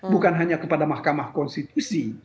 bukan hanya kepada mahkamah konstitusi